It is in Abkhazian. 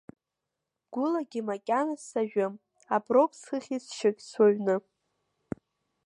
Гәылагьы макьаназ сажәым, аброуп схы ахьысшьогь суаҩны.